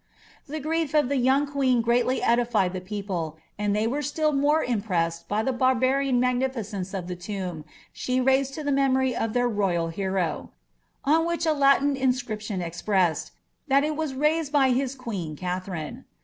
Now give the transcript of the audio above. Tha grief of the young qneen ^really edilied the people, and they were still ■lore impressed by the barbarian magnilicence uf the tomb she mised to Uie memory of their loyal hero ; on which a Latin inscription exprcvMd 'that it waa raised by his queen, Katherine.'